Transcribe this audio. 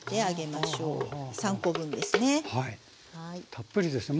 たっぷりですね。